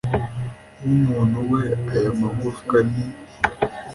w umuntu we aya magufwa ni